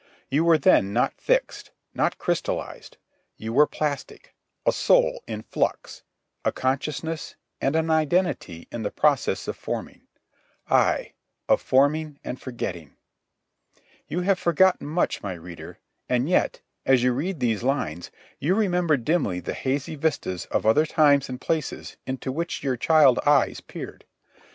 You were then not fixed, not crystallized. You were plastic, a soul in flux, a consciousness and an identity in the process of forming—ay, of forming and forgetting. You have forgotten much, my reader, and yet, as you read these lines, you remember dimly the hazy vistas of other times and places into which your child eyes peered.